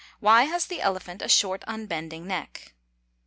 _Why has the elephant a short unbending neck?